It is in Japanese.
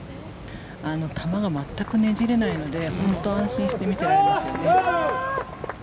球が本当によじれないので本当に安心して見てられますね。